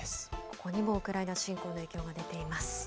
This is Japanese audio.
ここにもウクライナ侵攻の影響が出ています。